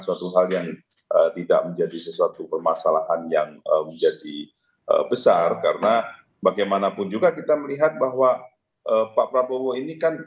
suatu hal yang tidak menjadi sesuatu permasalahan yang menjadi besar karena bagaimanapun juga kita